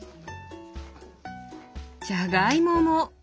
じゃがいもも！